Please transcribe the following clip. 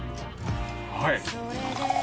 はい！